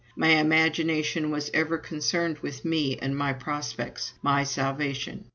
My imagination was ever concerned with me and my prospects, my salvation.